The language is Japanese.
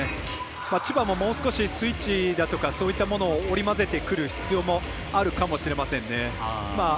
千葉ももう少しスイッチだとかそういったものを織り交ぜてくる必要もあるかもしれませんね。